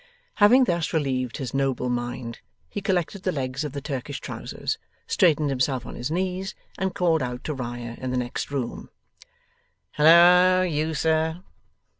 Having thus relieved his noble mind, he collected the legs of the Turkish trousers, straightened himself on his knees, and called out to Riah in the next room, 'Halloa, you sir!